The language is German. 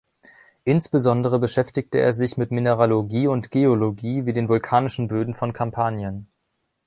Insbesondere beschäftigte er sich mit Mineralogie und Geologie, wie den vulkanischen Böden von Kampanien.